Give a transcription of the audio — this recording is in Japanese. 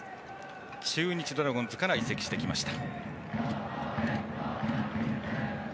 中日ドラゴンズから移籍してきました。